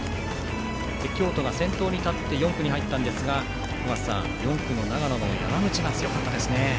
京都が先頭に立って４区に入ったんですが尾方さん、４区の長野の山口が強かったですね。